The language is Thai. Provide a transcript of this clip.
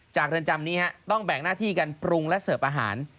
เรือนจำนี้ต้องแบ่งหน้าที่กันปรุงและเสิร์ฟอาหาร